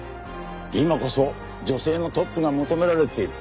「今こそ女性のトップが求められている」。